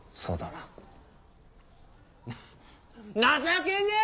な情けねえ！